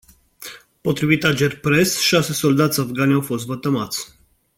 Potrivit Agerpres, șase soldați afgani au fost vătămați.